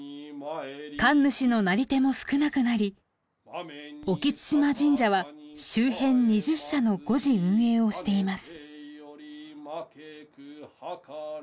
神主のなり手も少なくなり隠津島神社は周辺２０社の護持運営をしています。